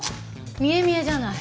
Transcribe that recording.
見え見えじゃない。